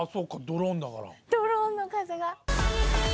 ドローンの風が。